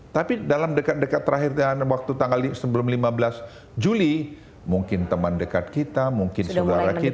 tapi dalam dekat dekat waktu sebelum lima belas juli mungkin teman dekat kita mungkin saudara kita